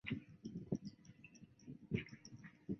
柔毛马先蒿为列当科马先蒿属的植物。